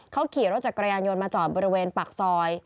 เขาขี่รถจักรยานยนต์มาจอดบริเวณปากซอย